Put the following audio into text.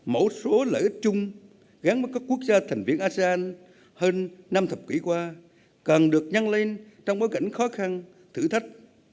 mẫu số lợi ích chung gắn mất các quốc gia thành viên asean hơn năm thập kỷ qua càng được nhăn lên trong bối cảnh khó khăn thử thách